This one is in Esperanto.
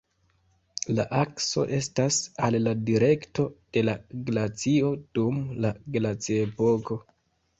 La akso estas al la direkto de la glacio dum la glaciepoko.